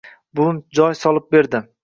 Buvim joy solib berdi